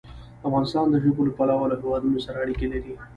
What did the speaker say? افغانستان د ژبو له پلوه له هېوادونو سره اړیکې لري.